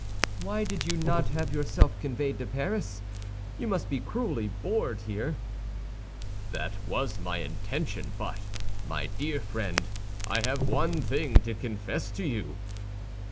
"Why did you not have yourself conveyed to Paris? You must be cruelly bored here." "That was my intention; but, my dear friend, I have one thing to confess to you."